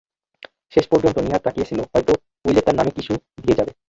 শেষ পর্যন্ত নীহার তাকিয়ে ছিল হয়তো উইলে তার নামে কিছু দিয়ে যাবে।